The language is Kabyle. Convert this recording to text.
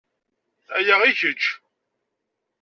Aya i kečč.